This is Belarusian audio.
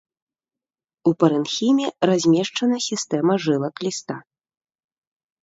У парэнхіме размешчана сістэма жылак ліста.